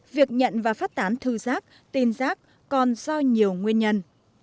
việc nhận và phát tán thư giác tin giác còn do nhiều nguyên nhân